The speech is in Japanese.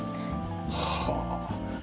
はあ！